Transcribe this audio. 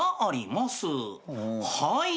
はい。